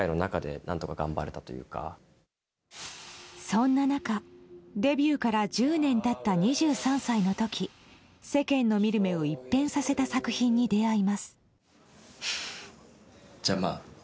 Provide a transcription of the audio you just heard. そんな中、デビューから１０年経った２３歳の時世間の見る目を一変させた作品に出会います。